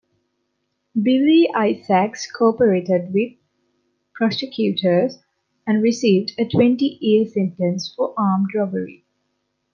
Billy Isaacs cooperated with prosecutors and received a twenty-year sentence for armed robbery.